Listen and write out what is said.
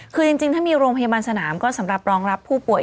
คือจริงถ้ามีโรงพยาบาลสนามก็สำหรับรองรับผู้ป่วย